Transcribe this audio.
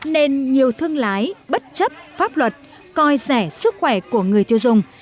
nên nhiều thương lái bất chấp pháp luật coi rẻ sức khỏe của người tiêu dùng